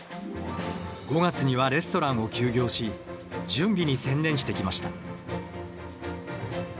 ５月にはレストランを休業し準備に専念してきました。